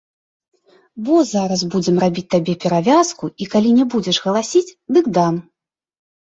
Во зараз будзем рабіць табе перавязку, і калі не будзеш галасіць, дык дам!